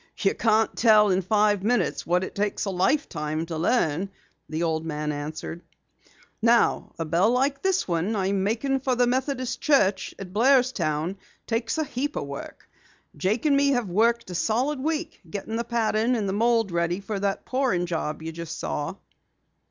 "You can't tell in five minutes what it takes a lifetime to learn," the old man answered. "Now a bell like this one I'm making for the Methodist Church at Blairstown takes a heap o' work. Jake and me have worked a solid week getting the pattern and mold ready for that pouring job you just saw."